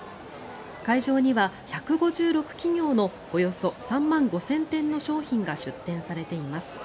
会場には１５６企業のおよそ３万５０００点の商品が出展されています。